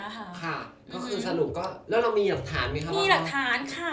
ค่ะก็คือสรุปก็แล้วเรามีหลักฐานมั้ยคะ